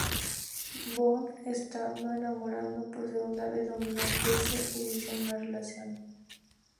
Bond estando enamorado por segunda vez domina a Tracy e inician una relación.